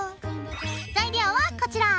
材料はこちら。